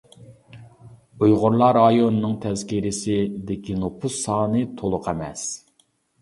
«ئۇيغۇرلار رايونىنىڭ تەزكىرىسى» دىكى نوپۇس سانى تولۇق ئەمەس.